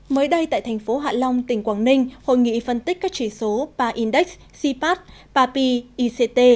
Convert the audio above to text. mới đây tại thành phố hạ long tỉnh quảng ninh hội nghị phân tích các chỉ số ba index cpat ba p ict